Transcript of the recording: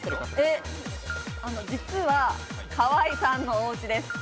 実は河井さんのおうちです。